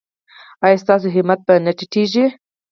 ایا ستاسو همت به نه ټیټیږي؟